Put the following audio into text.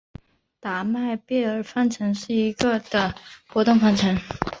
达朗贝尔方程是一个的波动方程。